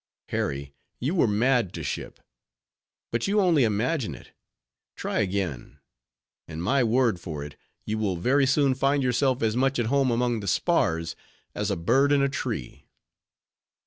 Harry, you were mad to ship. But you only imagine it: try again; and my word for it, you will very soon find yourself as much at home among the spars as a bird in a tree."